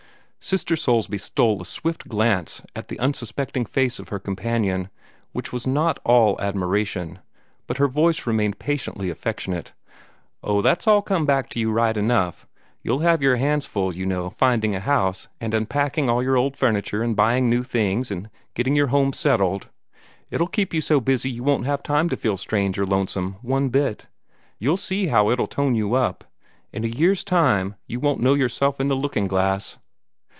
Sister Soulsby stole a swift glance at the unsuspecting face of her companion which was not all admiration, but her voice remained patiently affectionate. "Oh, that'll all come back to you, right enough. You'll have your hands full, you know, finding a house, and unpacking all your old furniture, and buying new things, and getting your home settled. It'll keep you so busy you won't have time to feel strange or lonesome, one bit. You'll see how it'll tone you up. In a year's time you won't know yourself in the looking glass."